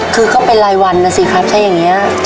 คือก็เป็นรายวันนะสิครับถ้าอย่างนี้